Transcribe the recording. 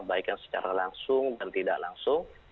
baik yang secara langsung dan tidak langsung